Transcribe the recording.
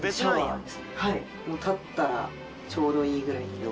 立ったらちょうどいいぐらいの。